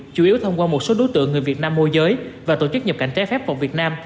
chủ yếu thông qua một số đối tượng người việt nam môi giới và tổ chức nhập cảnh trái phép vào việt nam